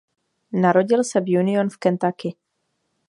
Narodil se v Union v Kentucky.